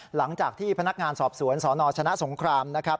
หลังจากที่พนักงานสอบสวนสนชนะสงครามนะครับ